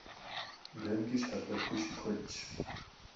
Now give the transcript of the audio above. ДэнэкӀи щхьэпэхур щыкуэдщ.